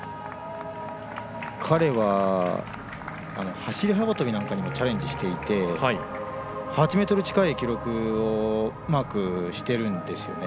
彼は走り幅跳びなんかにもチャレンジしていて８ｍ近い記録をマークしているんですよね。